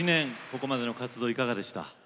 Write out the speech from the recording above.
ここまでの活動いかがでした？